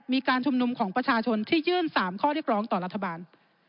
มีการชุมนุมของประชาชนที่ยื่น๓ข้อเรียกร้องต่อรัฐบาล